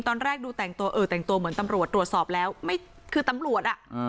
ตอนแรกดูแต่งตัวเออแต่งตัวเหมือนตำรวจตรวจสอบแล้วไม่คือตำรวจอ่ะ